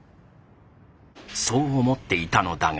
そう思っていたのだが。